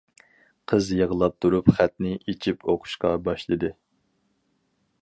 قىز يىغلاپ تۇرۇپ خەتنى ئىچىپ ئۇقۇشقا باشلىدى.